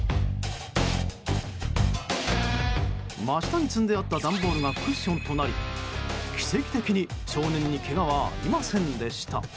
真下に積んであった段ボールがクッションとなり奇跡的に少年にけがはありませんでした。